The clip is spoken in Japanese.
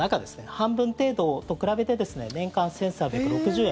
半分程度と比べて年間１３６０円